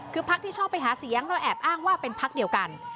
คือพักที่ชอบไปหาเสียงเราแอบอ้างว่าเป็นพักเดียวกัน